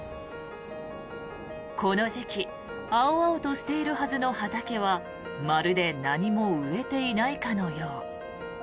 この時期青々としているはずの畑はまるで何も植えていないかのよう。